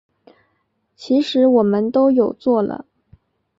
其实我们都有做了